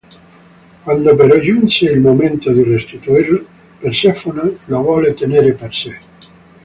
Quando però giunse il momento di restituirlo, Persefone lo volle tenere per sé.